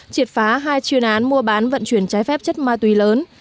triệt phá hai chuyên án mua bán vận chuyển trái phép chất ma túy lớn